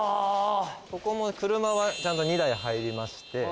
ここも車はちゃんと２台入りまして。